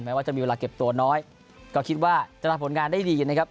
ว่าจะมีเวลาเก็บตัวน้อยก็คิดว่าจะทำผลงานได้ดีนะครับ